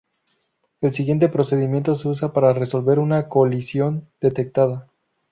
El siguiente procedimiento se usa para resolver una colisión detectada.